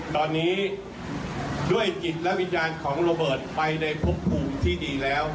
ตอนนี้ด้วยจิตและวิญญาณของโรเบิร์ตไปในพบภูมิที่ดีแล้ว